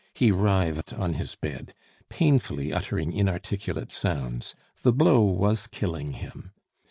He writhed on his bed, painfully uttering inarticulate sounds; the blow was killing him.